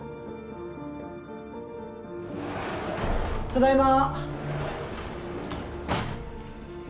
ただいま